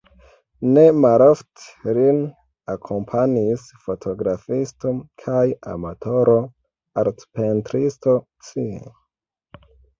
Ne malofte lin akompanis fotografisto kaj amatoro-artpentristo Th.